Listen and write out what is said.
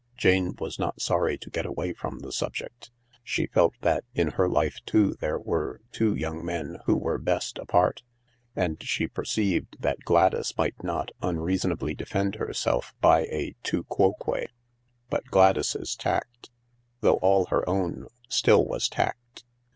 Jane was not sorry to get away from the subject. She felt that in her life too there were two young men who were best apart. And she perceived that Gladys might not un reasonably defend herself by a tu quoque. But Gladys's 186 THE LARK tact, though all her own, still was tact.